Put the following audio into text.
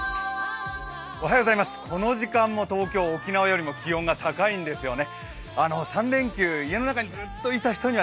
この時間も東京沖縄よりも気温が高いんですよね。